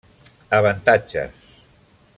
Avantatges: